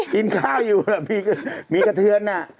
กินข้าวอยู่เหมือนมีกระเทือนน่ะ